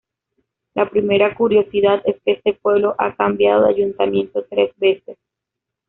La primera curiosidad es que este pueblo ha cambiado de ayuntamiento tres veces.